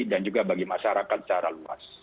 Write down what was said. dan juga bagi masyarakat secara luas